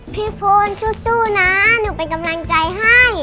พี่ฟูนสู้นะหนูเป็นกำลังใจให้